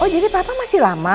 oh jadi papa masih lama